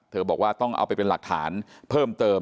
บอกว่าต้องเอาไปเป็นหลักฐานเพิ่มเติม